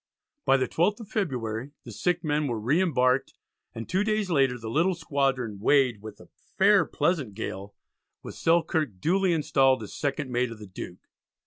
By the 12th of February the sick men were re embarked, and two days later the little squadron weighed with "a fair pleasant gale," with Selkirk duly installed as second mate of the Duke.